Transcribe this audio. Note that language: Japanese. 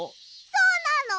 そうなの！？